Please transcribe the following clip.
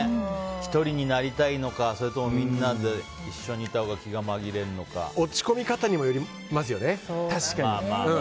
１人になりたいのかそれともみんなで一緒にいたほうが落ち込み方にもよりますよね。